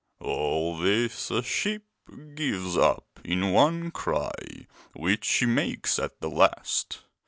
All this a ship gives up in one cry which she makes at the last.